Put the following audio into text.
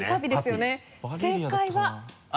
正解は。